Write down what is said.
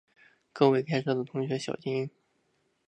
各位开车的同学小心